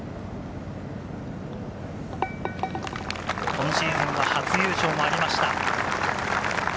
今シーズンは初優勝もありました。